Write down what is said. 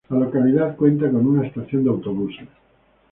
La localidad cuenta con una estación de autobuses.